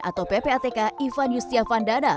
atau ppatk ivan yustiavan dana